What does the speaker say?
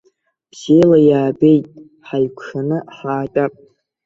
Бзиала иаабеит, ҳаикәшаны ҳаатәап.